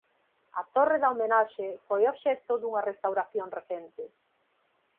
A torre da homenaxe foi obxecto dunha restauración recente.